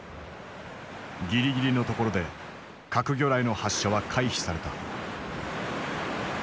ギリギリのところで核魚雷の発射は回避された。